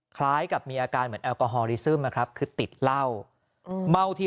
คล้ายกับมีอาการเหมือนแอลกอฮอลลิซึมนะครับคือติดเหล้าเมาที่